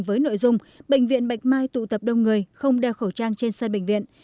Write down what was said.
với nội dung bệnh viện bạch mai tụ tập đông người không đeo khẩu trang trên sân bệnh viện